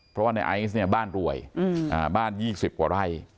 เพราะว่านายไอซ์เนี่ยบ้านรวยบ้านยี่สิบกว่าไร่